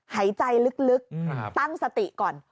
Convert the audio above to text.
หายใจลึกตั้งสติก่อน